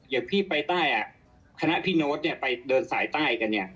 อย่างพี่ไปใต้คณะพี่โน๊ตไปเดินสายใต้กันเนี่ย